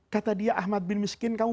kata dia ahmad bin miskin kamu